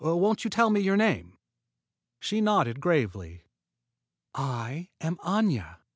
Won't you tell me your name?" She nodded gravely. "I am Aña.